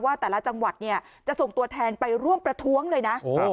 แต่ละจังหวัดเนี่ยจะส่งตัวแทนไปร่วมประท้วงเลยนะ